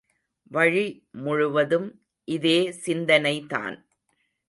வழி முழுவதும் இதே சிந்தனைதான்.